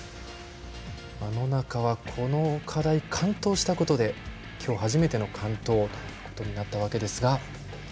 野中は、この課題完登したことで今日初めての完登ということになったわけですが。